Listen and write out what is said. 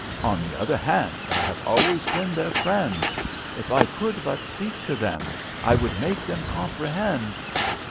On the other hand, I have always been their friend. If I could but speak to them, I would make them comprehend.